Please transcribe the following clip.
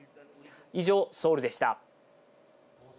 以上、ソウルでした。